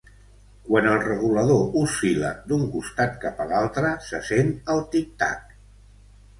Quan el regulador oscil·la d'un costat cap a l'altre, se sent el tic-tac.